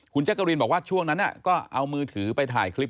คุณแจ๊กกะรีนบอกว่าช่วงนั้นก็เอามือถือไปถ่ายคลิป